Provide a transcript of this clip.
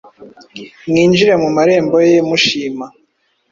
Mwinjire mu marembo ye mushima,